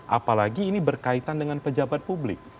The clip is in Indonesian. apalagi ini berkaitan dengan pejabat publik